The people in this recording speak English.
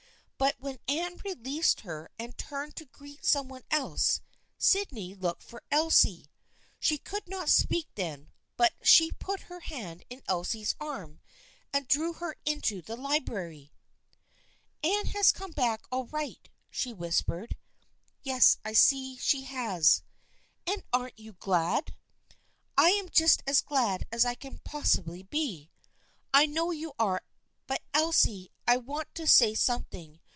But when Anne released her and turned to greet some one else, Sydney looked for Elsie. She could not speak then, but she put her hand in Elsie's arm and drew her into the library. " Anne has come back all right," she whispered. " Yes, I see she has." " And aren't you glad ?"" I am just as glad as I can possibly be." " I know you are. But Elsie, I want to say something.